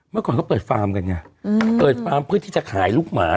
เมื่อก่อนเขาเปิดฟาร์มกันไงเปิดฟาร์มเพื่อที่จะขายลูกหมา